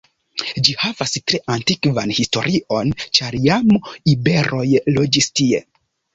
Ĝi havas tre antikvan historion ĉar jam iberoj loĝis tie.